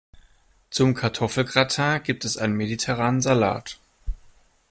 Zum Kartoffelgratin gibt es einen mediterranen Salat.